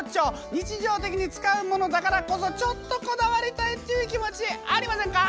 日常的に使うものだからこそちょっとこだわりたいっていう気持ちありませんか？